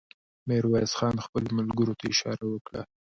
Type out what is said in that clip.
ميرويس خان خپلو ملګرو ته اشاره وکړه.